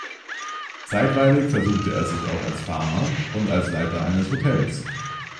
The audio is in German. Zeitweilig versuchte er sich auch als Farmer und als Leiter eines Hotels.